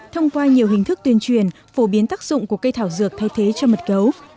thông qua nhiều hình thức tuyên truyền phổ biến tác dụng của cây thảo dược thay thế cho mật gấu